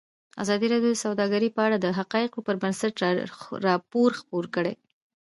ازادي راډیو د سوداګري په اړه د حقایقو پر بنسټ راپور خپور کړی.